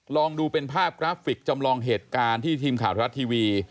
ลองดูเป็นภาพกราฟิกจำลองเหตุการณ์ที่ทีมข่าวไทยรัฐทีวี